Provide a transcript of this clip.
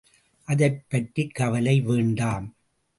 அதைப்பற்றிக் கவலை வேண்டாம்.